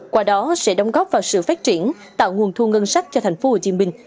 qua đó sẽ đóng góp vào sự phát triển tạo nguồn thu ngân sách cho thành phố hồ chí minh